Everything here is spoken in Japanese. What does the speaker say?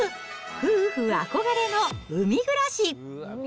夫婦憧れの海暮らし。